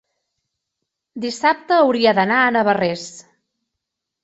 Dissabte hauria d'anar a Navarrés.